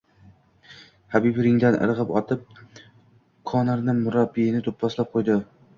Habib ringdan irgʻib oʻtib, Qonorni murabbiyini doʻpposlab qoʻydi.